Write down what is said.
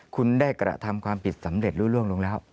คุณได้กระทำความผิดสำเร็จรู้ร่วงลงแล้ว